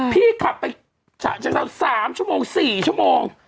พี่ขับไปฉันเสา๓ชมอง๔ชมอง